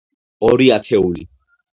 ორი ათეული.